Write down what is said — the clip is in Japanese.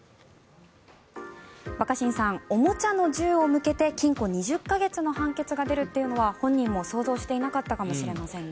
若新さん、おもちゃの銃を向けて禁錮２０か月の判決が出るというのは本人も想像していなかったかもしれませんね。